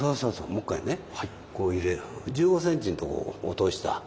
もう１回ねこう入れ１５センチのところ落とした。